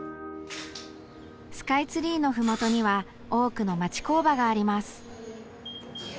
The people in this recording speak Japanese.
スカイツリーの麓には多くの町工場があります。